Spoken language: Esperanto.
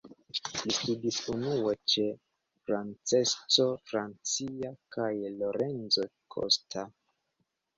Li studis unue ĉe Francesco Francia kaj Lorenzo Costa.